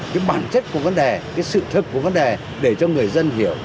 cái bản chất của vấn đề cái sự thực của vấn đề để cho người dân hiểu